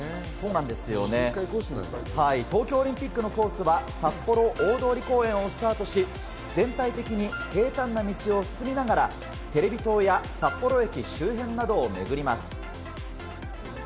東京オリンピックのコースは札幌大通り公園をスタートし、全体的に平たんな道を進みながら、テレビ塔や札幌駅周辺などをめぐります。